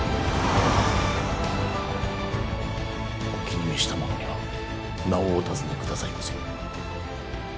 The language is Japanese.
お気に召した者には名をお尋ね下さいませ。